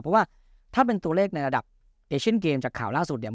เพราะว่าถ้าเป็นตัวเลขในระดับเอเชียนเกมจากข่าวล่าสุดเนี่ย